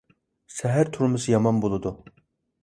سەھەر تۇرمىسا يامان بولىدۇ.